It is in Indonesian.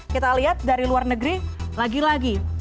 kita lihat dari luar negeri lagi lagi